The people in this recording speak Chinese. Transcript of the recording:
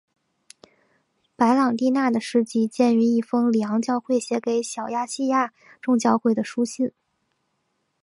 白郎弟娜的事迹见于一封里昂教会写给小亚细亚众教会的书信。